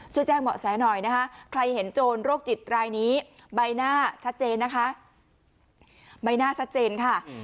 ช่วยแจ้งเบาะแซนหน่อยนะคะใครเห็นโจรโรคจิตรายนี้ใบหน้าชัดเดนนะคะ